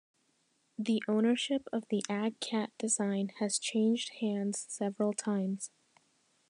The ownership of the Ag-Cat design has changed hands several times.